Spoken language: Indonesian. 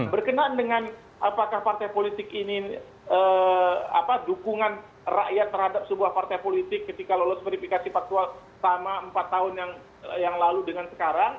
berkenaan dengan apakah partai politik ini dukungan rakyat terhadap sebuah partai politik ketika lolos verifikasi faktual sama empat tahun yang lalu dengan sekarang